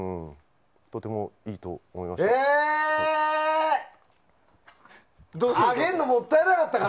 とてもいいと思いました。